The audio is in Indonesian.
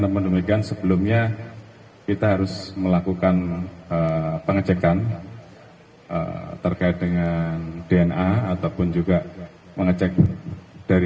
dan sementara itu kita harus melakukan pengecekan terkait dengan dna ataupun juga mengecek dari